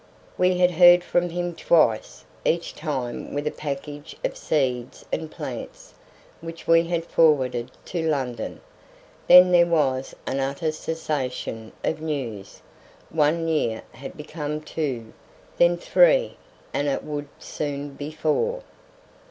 We had heard from him twice, each time with a package of seeds and plants, which we had forwarded to London. Then there was an utter cessation of news; one year had become two then three and it would soon be four.